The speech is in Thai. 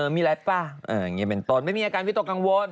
มีอะไรป่ะอย่างนี้เป็นต้นไม่มีอาการวิตกกังวล